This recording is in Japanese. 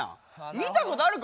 見たことあるか？